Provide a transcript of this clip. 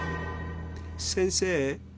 先生。